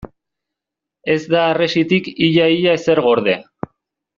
Ez da harresitik ia-ia ezer gorde.